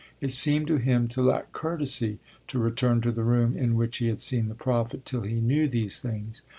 It seemed to him to lack courtesy to return to the room in which he had seen the prophet, till he knew these things.